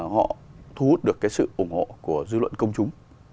họ thu hút được cái sự ủng hộ của dư luận công chúng